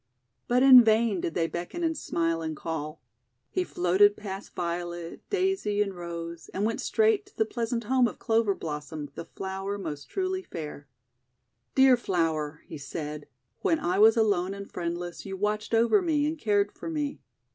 But in vain did they beckon and smile and call. He floated past Violet, Daisy, and Rose, ANANSI THE SPIDER MAN 165 and went straight to the pleasant home of Clover Blossom, the flower most truly fair. :<Dear Flower," he said, 'when I was alone and friendless you watched over me, and cared for me.